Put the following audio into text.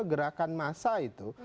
gerakan massa itu